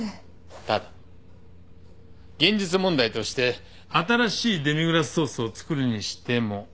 ただ現実問題として新しいデミグラスソースを作るにしても。